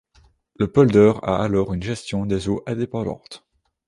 Le polder a alors une gestion des eaux indépendante.